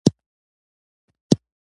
زه د موسیقۍ د وسایلو زدهکړه خوښوم.